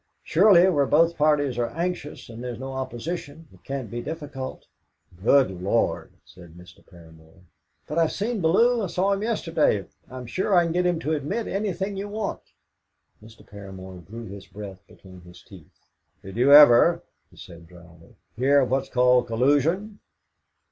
"Surely, where both parties are anxious, and there's no opposition, it can't be difficult." "Good Lord!" said Mr. Paramor. "But I've seen Bellew; I saw him yesterday. I'm sure I can get him to admit anything you want!" Mr. Paramor drew his breath between his teeth. "Did you ever," he said drily, "hear of what's called collusion?"